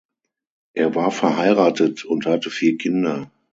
Er war verheiratet und hatte vier Kinder.